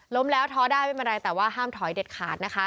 ล้มแล้วท้อได้ไม่เป็นไรแต่ว่าห้ามถอยเด็ดขาดนะคะ